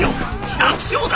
「百姓だ！」。